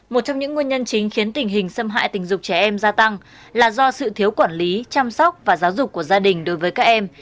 một trong những nguyên nhân chính khiến tình hình xâm hại tình dục trẻ em gia tăng là do sự thiếu quản lý chăm sóc và giáo dục của gia đình đối với các em